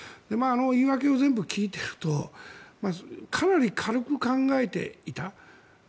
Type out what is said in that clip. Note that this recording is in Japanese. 言い訳を全部聞いているとかなり軽く考えていた。